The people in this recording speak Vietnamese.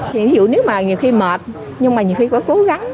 ví dụ nếu mà nhiều khi mệt nhưng mà nhiều khi phải cố gắng